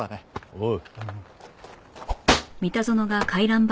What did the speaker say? おう。